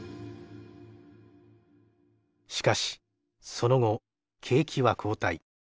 しかしその後景気は後退。